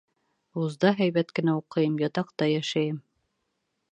Вузда һәйбәт кенә уҡыйым, ятаҡта йәшәйем.